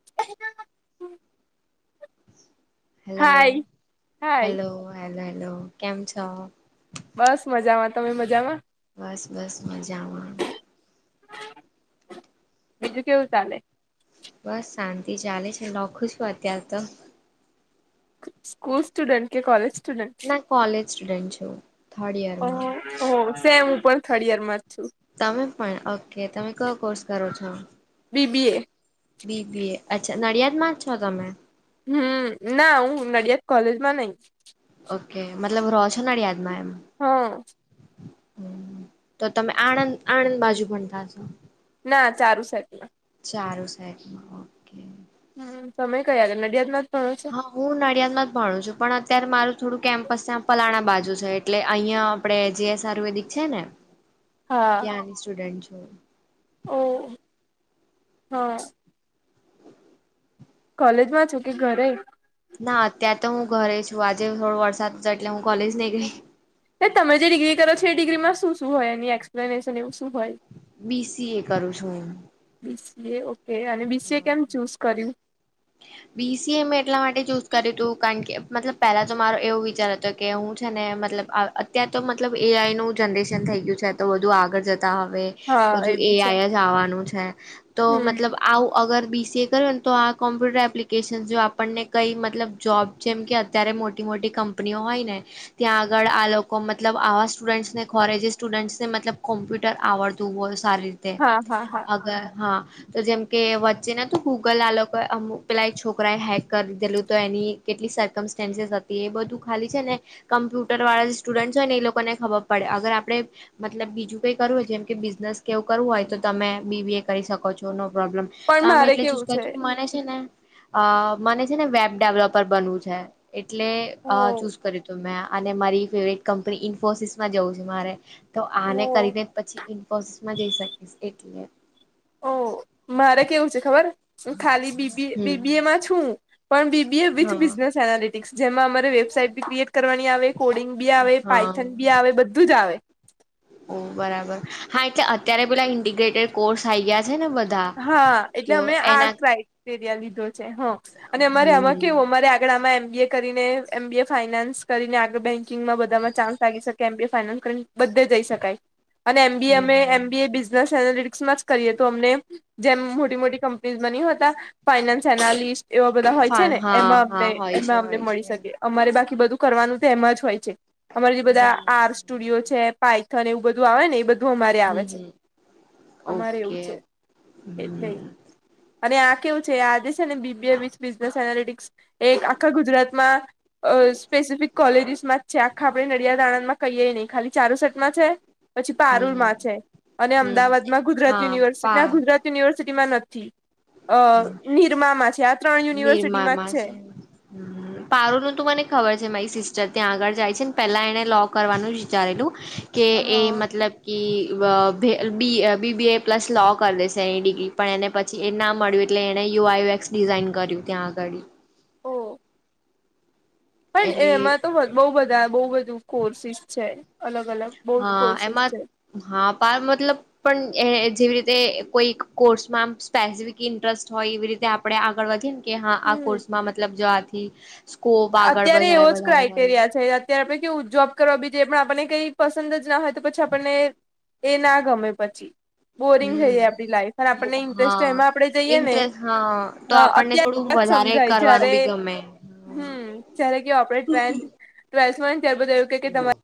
[unintelligible] Hello hi hi hello hello hello કેમ છો. બસ મજામાં તમે મજામાં. બસ બસ મજામાં. બીજું કેવું ચાલે. બસ શાંતિ ચાલે છે લખું છું અત્યારે તો. સ્કૂલ સ્ટુડન્ટ કે કોલેજ? સ્ટુડન્ટ ના કોલેજ સ્ટુડન્ટ છું થર્ડ ઈયરમાં. ઓ સેમ હું પણ થર્ડ યર માં જ છું. તમે પણ ઓકે તમે કયો કોર્સ કરો છો, બીબી એ બી બી એ. અચ્છા નળિયાદ માજ છો તમે. હમ્મ, ના હું નડિયાદ કોલેજમાં નઈ. ઓકે મતલબ રોછો નળિયાદમાં એમ. હ. હમ, તો તમે આણંદ આણંદ બાજુ ભનતા હસો. ના ચારુસેટ માં. ચારુંસેટ માં ઓકે. હમ્મ, તમે ક્યાં આગળ નડિયાદમાં જ ભણો છો? હા હું નડિયાદ માં જ ભણું છું પણ અત્યાર મારું થોડું કેમ્પસ ત્યાં પલાણા બાજુ છે. એટલે અંયા આપળે જીએસ આયુર્વેદિક છે ને હા ત્યાંની સ્ટુડન્ટ છું. ઓ, હ. કોલેજ માં છુ, કે ઘરે? ના અત્યર તો હું ઘરે છું આજે થોડો વરસાદ જ એટલે હું કોલેજ નય ગઈ. એ તમે જે ડિગ્રી કરો છો એ ડિગ્રીમાં શું શું હોય, એની એક્સપ્લેનેશન એવું શું હોય? બી સી એ કરું છું હું. બી સી એ ઓકે, અને બી સી એ કેમ ચૂઝ કર્યું? બી સી એ મેં એટલા માટે ચૂઝ કર્યું તું કાણ કે મતલબ પેલા જો મારો એવું વિચાર હતો કે હું છે ને મતલબ. અ અત્યર તો મતલબ એ આઈ નું જનરેશન થઈ ગયું છે તો બધુ આગળ જતા હવે. હા બધું એ બી છે આઈ જ આવાનું છે, તો હમ મતલબ આવું અગર બી સી એ કરું ને તો આ કોમ્પ્યુટર એપ્લિકેશન જો આપણને કંઈ મતલબ જોબ જેમ કે અત્યરે મોટી મોટી કંપનીઓ હોય ને ત્યાં આગળ આ લોકો મતલબ આવા સ્ટુડન્ટસને ખોરે જે સ્ટુડન્ટસને મતલબ કોમ્પ્યુટર આવડ તું ઓર સારી રીતે, હા હા હા અગર હા તો જેમ કે વચ્ચે નતુ ગુગલ આલો એ અમુક પેલાં એક છોકરાએ હેક કરી દિદેલું તો એની કેટલી સરર્કમસ્ટેન્સીસ હતી એ બધું ખાલી છે ને કમ્પ્યુટર વાળા જે સ્ટુડન્ટ હોય ને એ લોકોને ખબર પડે અગર આપળે મતલબ બીજું કઈ કરવું હોય જેમ કે બિઝનેસ કે એવું કરવું હોય તો તમે બી બી એ કરી શકો છો નો પ્રોબ્લેમ. તો પણ આમ મારે એટલે ચુઝ કેવું છે કચુ મને છે ને, અ મને છે ને વેબ ડેવલપર બનવું છે. એટલે અ ઓ ચૂઝ કરું તું મેં આ. અને મારી ફેવરેટ કંપની ઇન્ફોસિસ માં જવું છે મારે. તો ઓ આને કરીને પછી ઇન્ફોસિસમાં જઈ શકીશ એટલે. ઓ મારે કેવું છે ખબર ખાલી બી બી, બી બી હમ એ માં છું પણ બી બી એ વિથ હા બિઝનેસ એનાલેટિક્સ જેમાં અમારે વેબસાઈટ બી ક્રિએટ કરવાની આવે, કોડિંગ બી આવે, હા પાઇથન બી આવે, બધ ધું જ આવે. ઓ બરાબર, હા એ અત્યારે પેલા ઇન્ડિગ્રેટેડ કોર્સ આય ગ્યા છે ને બધા. હા એટલે તો અમે આ એના ક્રાઈટેરિયા લીધો છે, હ. અને અમારે હમ આમાં કેવું અમારે આગળ આમાં એમ બી એ કરીને એમ બી એ ફાયનાન્સ કરીને આગળ બેંકિંગમાં બધામાં ચાન્સ લાગી શકે એમ બી એ ફાયનાન્સ કરીને બધે જઈ શકાય અને એમ બી એ અમે હમ એમ બી એ બિઝનેસ એનાલિટિક્સમાં જ કરીએ તો અમને. જેમ મોટી મોટી કંપનીઝ માં ની હતા ફાઈનાન્સ એનાલિસ્ટ એવા બધા હોય હા છે ને હા એમાં હા અમને હોય છે એમાં અમને હોય મળી છે શકે. અમારે બાકી બધું કરવાનું તે એમાં જ હોય છે, અમાર જે બધા બરાબર આર્સ સ્ટુડિયો છે, પાયથન એવું બધું આવે ને એ બધું અમારે આવે હમ છે, હમ અમારે એવું ઓકે છે. એટલે હમ અને આ કેવું છે આજે છે ને બીબી બ બિઝનેસ એનાલટિક્સ એક આખા ગુજરાતમાં. અ સ્પેસિફિક કોલેજીસ માં જ છે આખા આપણેે નડિયાદ આણંદ માં કહીય નહી ખાલી ચારો સટમાં છે. પછી પારૂલ હમ માં છે અને હમ અમદાવાદમાં ગુજરાત હા યુનિવર્સિટી પા ગુજરાત યુનિવર્સિટીમાં નથી અ નિરમામાં છે આ ત્રણ યુનિવર્સિટીમાં જ છે. હમ પારુંલ નું તો મને ખબર છે મારી સિસ્ટર ત્યાં આગળ જાય છે ને પેલા એને લો કરવાનું વિચારેલું. કે એ હા મતલબ કે બી બીબીએ પ્લસ લો કરી દેશે એની ડિગ્રી પણ એને પછી એ ના મળ્યું એટલે એને યુઆઈએક્સ ડિઝાઇન કર્યું ત્યાં આગળ. ઓ પણ એટલે એમાં તો બહુ બધા બહુ બધું કોર્સિસ છે. અલગ અલગ બહુ જ હા કોર્સિસ એમાં છે હા પણ મતલબ પણ એ જેવી રીતે કોઈ કોર્સમાં સ્પેસિફિક ઇન્ટરેસ્ટ હોય એવી રીતે આપણે આગળ વધીએ ને કે હા આ હમ કોર્સમાં મતલબ જો આથી સ્કોપ આગળ અત્યારે એવો વધારે જ વધારે હોય ક્રાઈટેરિયા છે. ત્યારે આપણે કેવું જોબ કરવા બી જઈએ પણ આપણને કઈ પસંદ જ ના હોય તો પછી આપણને એ ના ગમે પછી બોરિંગ થઈ જાય હમ આપણી લાાઈફ અને આપણને ઇન્ટરેસ્ટ હા એમાં આપણે જઈએ ને ઇન્ટરેસ્ટ હા તો આપણને થોડું અત્યારે જ વધારે સમજાય કરવાનું જય્યારે બી ગમે હમ્મ જય્યારે કે [unintelligible] ટ્વેલ્થ ત્યારે બધા હાલો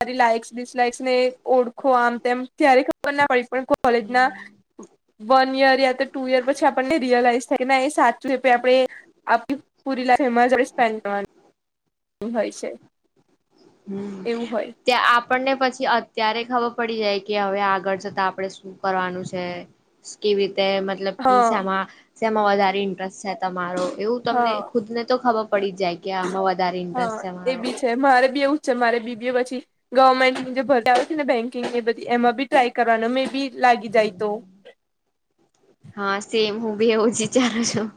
મા લાઈક્સ ડિસલાઇક્સ ને ઓળખો આમ તેમ ક્યારે ખબર ના પડી પણ કોલેજના હમ વન યર યા તો ટુ યર પછી આપણને રિયલાઈઝ થાય એ સાચું એ આપે આપ પુરી લાઈફ એમાજ સ્પેડ કરવાની હોય છે હમ્મ એવું હોય તે આ આપણને પછી અત્યારે ખબર પડી જાય કે હવે આગળ જતા આપડણે શું કરવાનું છે કે રીતે મતલબ કે હા શમા સે વધારે ઇન્ટરેસ્ટ છે તમારો એવું તમને હા ખુદ ને તો ખબર પડી જાય કે આમાં વધારે હા ઇન્ટરેસ્ટ છે એ મારો બી મારે બી એવું છે મારે બી બી પછી ગવર્મેન્ટની જે ભર આવે છે ને બેંકિંગ ની બધી એમાં બી ટ્રાય કરવાનો મે બી લાગી જાય તો હા સેમ હું બી એવું વિચારું છું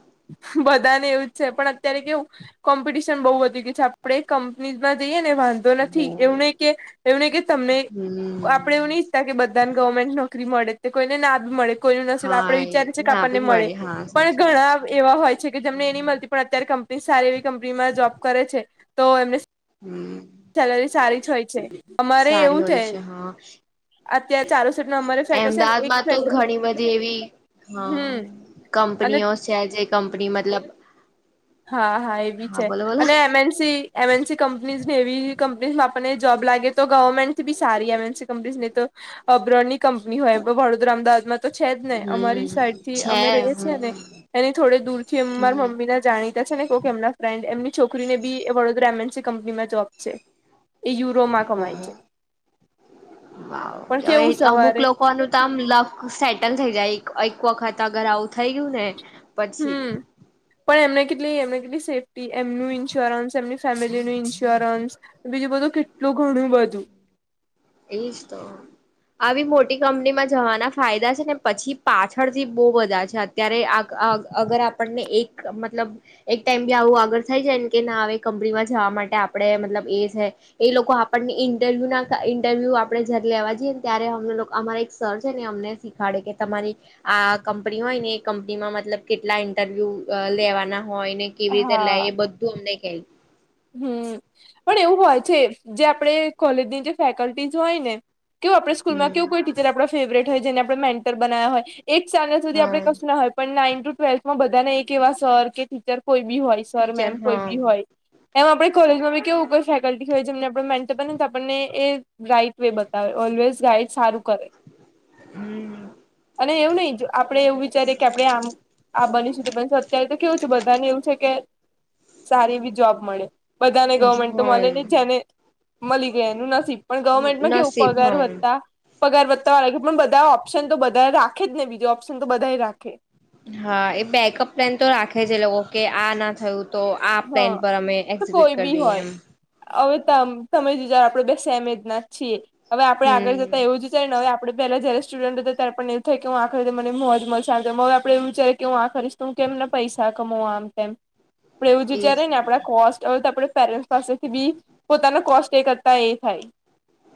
બધા ને એવું જ છે પણ અત્યારે કેવું કોમ્પિટિશન બહુ વધી ગય છે આપડે કમંપનીઝ માં જઈએ ને વાં તો નથી એવને કે એમને કે તમને હમ આપણે એવની ત્યા કે બધાને ગવર્મેન્ટ નોકરી મળે તે કોઈને ના બી મળે કોઈ હા આપડે એ વિચારી છે કે ના આપણને બી મળે મળી હા પણ સાચી વાત ઘણા છે એવા હોય છે કે જેમને એ નહી મળતી પણ અત્યારે કંપની સારી એવી કંપનીમાં જોબ કરે છે તો એમને હમ સેલરી સારી જ હોય છે અમારે સારી એવું છે હોય અત્યારે ચાલુ સેટમાં અમારે ફેકલ્ટી છે ને અમદાવાદ એક માં તો ફેક ઘણી બધી એવી હ હમ અને કંપનીઓ છે જે કંપની મતલબ હા હા એ બી છે બોલો બોલો અને M NC M NC companies ને એવી કંપની આપણને જોબ લાગે તો ગવર્મેન્ટથી બી સારી એમનસી કંપનીઝ ને તો અબ્રોડની કંપની હોય વડોદરા અમદાવાદમાં તો છે જ ને અમારી હમ સાઈડ થી છે અમે રહીએ હમ છીએ ને એની થોડે દૂર થી અ મારા હમ મમ્મી ના જાણી ત્યાં છે ને કોક એમના ફ્રેન્ડ એમની છોકરીને બી વડોદરા એમ એન સી કંપનીમાં જોબ છે એ યુરોમાં કમાય ઓહો છે પણ કેવું સવારે કોનું તો આમ લક સેટલ થઈ જાય એક વખત અગર આવું થઈ ગયું ને પછી હમ પણ એમને કેટલી એમને કેટલી સેફ્ટી એમનું ઈન્સ્યોરન્સ એમની ફેમિલીનું ઇન્સ્યોરન્સ બીજું બધું કેટલું ઘણું બધું એજ તો આવી મોટી કંપનીમાં જવાના ફાયદા છે ને પછી પાછળથી બહ બધા છે ત્યારે આ અગર આપણને એક મતલબ એક ટાઈમ બી આવું આગળ થઈ જાયને કે ના કંપનીમાં જવા માટે આપણે મતલબ એ છે એ લોકો આપણને ઇન્ટરવ્યુ ઇન્ટરવ્યૂ આપણે જ્યારે લેવા જઈએ ને ત્યારે અમને લોકો અમારા એક સર છે ને અમને શીખાડે કે તમારી આ કંપની હોય ને એ કંપનીમાં મતલબ કેટલા ઇન્ટરવ્યુ લેવાના હોય ને કેવી રીતે લાય એ બધું અમને કેય હમ્મ પણ એવું હોય છે જે આપણે કોલેજની જે ફેકલ્ટીસ હોય ને કેવું આપણે સ્કૂલમાં હમ કેવું કોઈ ટીચર આપણે ફેવરેટ હોય જેને આપણે મેન્ટર બનાવ્યા હોય એટ સ્ટેન્ડ સુધી આપણે હા કશું ના હોય પણ નાઈન ટુ ટ્વેલ્થમાં બધાના એક એવા સર કે ટીચર કોઈ બી હોય સર મેમ ટીચર કોઈ હા બી હોય એમ આપણે કોલેજમાં બી કેવું કોઈ ફેકલ્ટી હોય જેમને આપણે મેન્ટ બનેને તો આપણને એ રાઇટ વે બતાવે ઓલવેઝ ગાઈડ સારું કરે. હમ અને એવું નહી જો આપડે એવું વિચારીએ કે આપડે આમ. આ બની છું તો બની છું અત્યારે તો કેવું છે કે બધાને એવું છે કે સારી એવી જોબ મળે. બધાને ગવર્મેન્ટ તો મલે ની હમ જેને મલી ગઈ એનું નસીબ પણ ગવર્મેન્ટમાં કેવું નસીબ પગાર હમ હોતા પગાર વધતા વાળા કે મને બધા ઓપ્શન તો બધા રાખે જ ને બીજો ઓપ્શન તો બધાય રાખે. હા એ બેકઅપ પ્લાન તો રાખે છે લોકો કે આ ના થયું. તો આ પ્લાન હા પર અમે તો એક્ઝીક્યુટ કોઈ કર બી દઈએ એમ. હોય હવે તમ તમે જ આપડે બે સમ એજ ના જ છીએ. હવે આપણે આગળ જતા હમ એવું જ વિચાર્યું ને હવે આપણે પેલા જ્યારે સ્ટુડન્ટ હતો ત્યારે પણ એવું થાય કે હું આ કરું તો મને મોજ મળશે આ હવે આપડ એવું વિચારે કે હું આ કરીશ. તો હું કેમના પૈસા કમાવ આમ તેમ. આપણે એવું જ એજ વિચારીએ ને આપડા કોસ્ટ હવે તો આપણે પેરેન્ટ પાસેથી બી પોતાના કોસ્ટ એ કરતા એ થાય.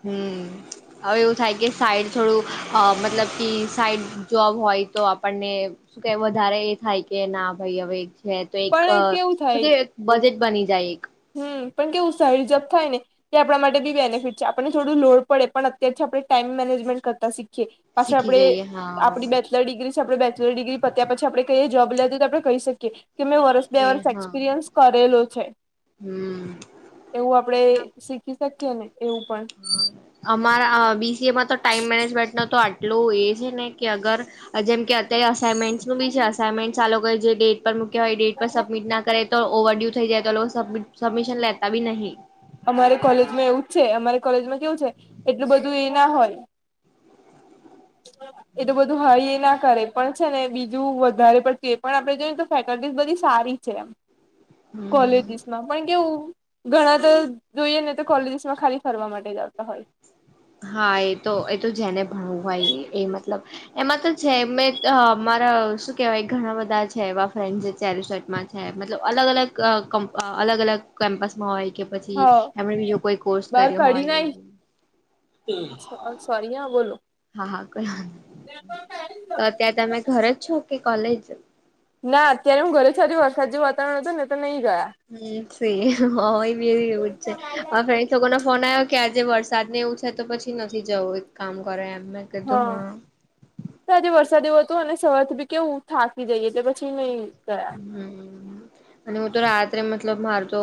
હમ હવે એવું થાય કે સાઈડ થોડું અ મતલબ કે સાઈડ જોબ હોય તો આપણને શું કેવાય વધારે એ થાય કે ના ભાઈ હવે છે તો એક પણ કેવું શું થાય કે બજેટ બની જાય એક. હમ પણ કેવું સંયોજક થાય ને તે આપણા માટે બી બેનિફિટ છે. આપણને થોડું લોડ પડે પણ અત્યારથી આપણે ટાઈમ મેનેજમેન્ટ કરતા શી ખીએ. પાછા શીખી આપડે જઈએ હા આપડી બે ચલર ડિગ્રી છે. આપણે બેચલર ડિગ્રી પત્યા પછી આપણે કયા જોબ લેતી તો આપણે કહી શકીએ. કે મેં વર્ષ કે બે વર્ષ હા એક્સપિરિયન્સ કરેલો છે. હમ એવું આપડે ના શીખી શકીએ ને એવું પણ. અમારા બીસીએમાં તો ટાઈમ મેનેજમેન્ટનો તો આટલો એ છે ને કે અગર અ જેમ કે અત્યારે અસાઇનમેન્ટ નું બી છે અસાઇનમેન્ટ આ લોકોએ જે ડેટ પર મુક કેય ડેટ પર સબમિટ ના કરે તો ઓવરડ્યુ થઈ જાય તો લો સબ સબમિશન લેતા બી નહીં. અમારે કોલેજમાં એવું જ છે. અમારે કોલેજમાં કેવું છે એટલું બધું એ ના હોય. [inaudible] એ તો બધું હાઈ એ ના કરે પણ છે ને બીજું વધારે પડતું એ પણ આપડે જોઈએ ને તો ફેકલ્ટી બધી સારી છે એમ. કોલેજીસમાં પણ કેવું ઘણા તો જોઈએ ને તો કોલેજીસમાં ખાલી ફરવા માટે જ આવતા હોય. હા એ તો એ તો જેને ભણું હોય એ મતલબ એમાં તો છે મેં મારા શું કેવાય ઘણા બધા છે એવા ફ્રેન્ડ જે ચાલી સેટમાં છે મતલબ અલગ અલગ અલગ અલગ કેમ્પસમાં હોય. કે પછી હા એમણે બીજો કોઈ કોર્સ બહાર કર્યો કાઢી હોય ના એવું. સોરી હા. બોલો હા હા કઈ વાંધો નહીં. તો અત્યાર તમે ઘર જ છો કે કોલેજ? ના અત્યારે હું ઘરે છું આજે વરસાદ જેવું વાતાવરણ હતું ને તો નહી ગયા. હમ સી હોય બી એવું જ છે. [inaudible] લોકોને ફોન આયો કે આજે વરસાદ ને એવું છે તો પછી નથી જવું એક કામ કરો એમ. કીધું હહ હા તો આજે વરસાદ જેવું હતું અને સવારથી બી કેવું થાકી જઈ એટલે પછી નહી ગયા. હમ અને હું તો રાત્રે મતલબ મારતો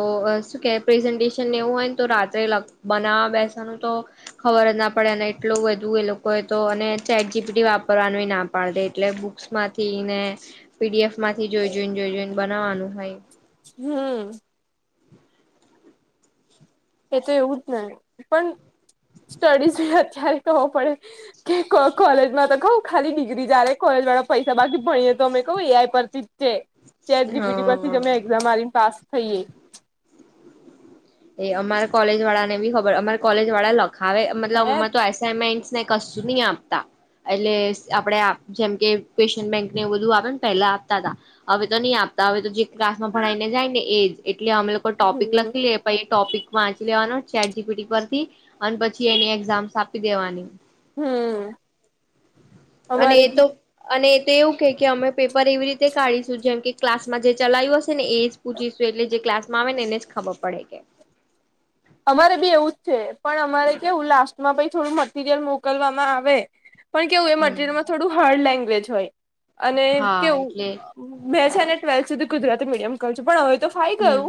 શું કેવય પ્રેઝન્ટેશન એવું હોય ને તો રાત્રે લખ બનાવા બેસવાનું તો. ખબર જ ના પડે અને એટલું બધું એ લોકોએ તો અને ચેટ જીપીડી વાપરવાનું એ ના પાડ દે એટલે બુક સમાંથી ને પીડીએફ માંથી જોઈ જોઈને જોઈ જોઈને બનાવાનું હોય. હમ એતો એવું જ ને. પન સ્ટડીઝ અત્યારે કરવો પડે. કે કો કોલેજમાં તો કહું ખાલી ડિગ્રી જ આલે કોલેજ વાળા પૈસા બાકી ભણીએ તો અમે કહું એઆઈ પર ઠીક છે. ચેટ જી પી ટી પરથી જ અમે હા એક્ઝામ આલીને પાસ થઈએે. એ અમારા કોલેજ વાળા ને બી ખબર અમારા કોલેજ વાળા લખાવે મતલબ હે અમે તો આઈસ એસામેન્ટ્સને કશું નહી આપતા. એટલે આપડે જેમ કે કે્ેશિયન બેંક ને એ બધું આપે ને પહેલા આપતા તા હવે તો નહીં આપતા હવે તો જે ક્લાસમાં ભણાઈને જાય ને એજ એટલે અમે લોકો ટોપિક હમ લખી લે પહી એ ટોપિક વાંચી લેવાનો ચેટ જી પી ટી પરથી અને પછી એની એક્ઝામ્સ આપી દેવાની. હમ અને અમારે એ તો બી અને એતો એવું કે કે અમે પેપર એવી રીતે કાઢીશું જેમ કે ક્લાસમાં જે ચલાયું હશે ને એ જ પૂછીશું એટલે જે ક્લાસ માં આવે ને એને જ ખબર પડે કે. અમારે બી એવું જ છે. પણ અમારે કેવું લાસ્ટમાં પહી થોડું મટીરિયલ મોકલવામાં આવે પણ કેવું એ હમ મટીરિયલમાં થોડું હાર્ડ લેંગ્વેજ હોય અને હા એટલે કેવું મેં છે અનેને ટ્વેલ્થ સુધી ગુજરાતી મીડિયમ કરું છું પણ હવે તો થાય ગયું હમ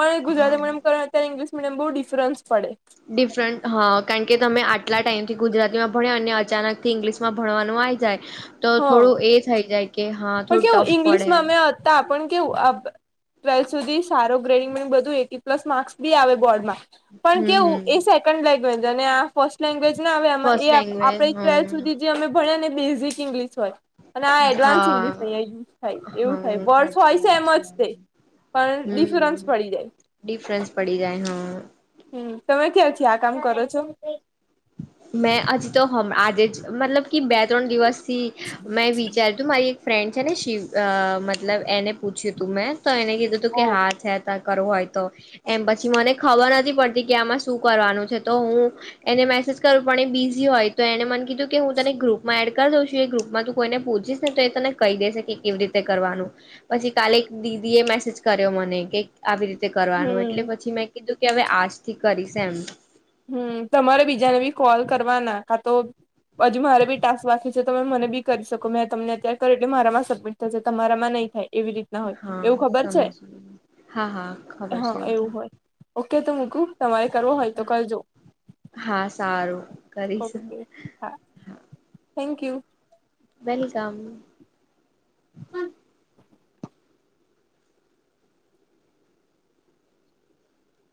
પણ હા ગુજરાતી મીડિયમ કર્યા અત્યારે ઇંગ્લિશ મીડિયમ બહુ ડિફરન્સ પડે. ડિફરન્ટ હા કારણ કે તમે આટલા ટાઈમથી ગુજરાતીમાં ભણે અને અચાનક થી ઇંગ્લિશ માં ભણવાનું આ જાય તો હ થોડું એ થઈ જાય કે હા થોડું ટફ પડે. તો આપણ કેવું અબ ટ્વેલ્થ સુધી સારો ગ્રેડિંગ બધું એટી પ્લસ માર્ક્સ બી આવે બોર્ડમાં. પણ હમ હમ કેવું એ સેકન્ડ લેગ્વેજ અને આ ફર્સ્ટ લેંગ્વેજ ના આવેમાં એ ફર્સ્ટ લેંગ્વેજ આપડે ટ્વેલ્થ સુધી હમ જે અમે ભણ્યા ને એ બેઝિક ઇંગ્લિશ હોય. અને આ એડવાન્સ ઇંગ્લિશ અહંયા હા યુઝ થાય એવું હા થાય વર્ડસ હોય છે એમ જ તે. પણ ડિફરન્સ હમ્મ, પડી જાય ડિફરન્સ પડી જાય હા. હમ્મ, તમે ક્યારથી આ કામ કરો છો? મેં હજી તો હ આજે જ મતલબ કે બે ત્રણ દિવસથી મેં વિચાર તું મારી એક ફ્રેન્ડ છે ને શિવ અહ મતલબ એને પૂછ્યું હતું મેં તો એને કીધું હતું કે હા છે તાર કરવું હોય તો. એમ પછી મને ખબર નથી પડતી કે આમાં શું કરવાનું છે તો હું એને મેં સીસ કાર પણ એ બીઝી હોય તો એને મને કીધું કે હું તને ગ્રુપમાં એડ કરી દઉં છું ગ્રુપમાં તો કોઈને પૂછીજ ને તો એ તને કહી દેસે કે કેવી રીતે કરવાનું પછી કાલે એક દીદી એ મેસેજ કર્યો મને કે આવી રીતે કરવાનું હમ એટલે પછી મેં કીધું કે હવે આજ થી કરીશ એમ. હમ્મ, તમારે બીજાને બી કોલ કરવાના કા તો હજુ મારે બી ટાસ્ક બાખી છે તમે મને બી કરી શકો મેં તમને અત્યારે કરો એટલે મારામાં સબમિટ થશે તમારામાં નહી થાય એવી રીત ના હોય એવું હા ખબર છે. સમજી હા હા ખબર હા, છે તો એવું હોય. ઓકે તો મુકુ તમારે કરવો હોય તો કરજો હા સારું કરીશ ઓકે હા. Thank you. વેલકમ.